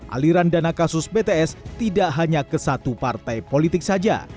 aliran dana kasus bts tidak hanya ke satu partai politik saja